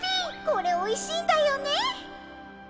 これおいしいんだよね。